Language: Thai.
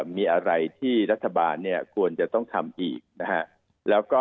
มีอะไรที่รัฐบาลกวนจะต้องทำอีก